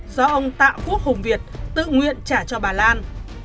do ông tạ quốc hùng việt tự nguyện trả cho bà lan